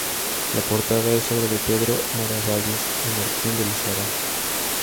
La portada es obra de Pedro Miravalles y Martín de Lizarza.